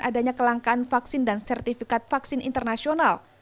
adanya kelangkaan vaksin dan sertifikat vaksin internasional